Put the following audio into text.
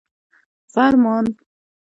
فرمان